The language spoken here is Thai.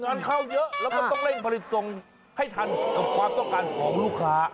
งานเข้าเยอะแล้วก็ต้องเร่งผลิตส่งให้ทันกับความต้องการของลูกค้า